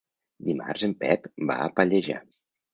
Dimarts en Pep va a Pallejà.